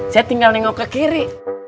saya tinggal nengok ke kiri